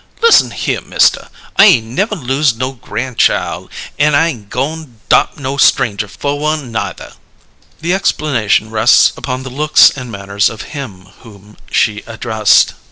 "Listen here, Mister! I ain' never los' no gran' child, an' I ain' goin' 'dop' no stranger fer one, neither!" The explanation rests upon the looks and manners of him whom she addressed.